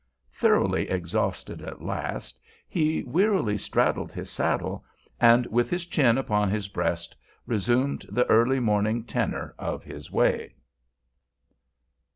Thoroughly exhausted at last, he wearily straddled his saddle, and with his chin upon his breast resumed the early morning tenor of his way.